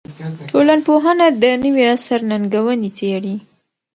ټولنپوهنه د نوي عصر ننګونې څېړي.